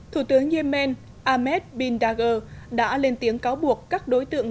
thủ tướng yemen ahmed bin dager đã lên tiếng cáo buộc các đối tượng